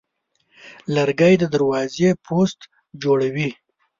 لرګی د دروازې پوست جوړوي.